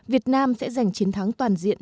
việt nam sẽ giành chiến thắng toàn diện